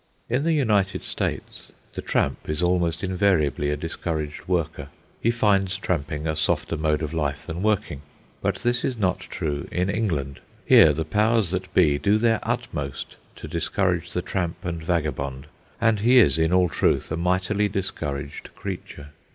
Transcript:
In the United States the tramp is almost invariably a discouraged worker. He finds tramping a softer mode of life than working. But this is not true in England. Here the powers that be do their utmost to discourage the tramp and vagabond, and he is, in all truth, a mightily discouraged creature.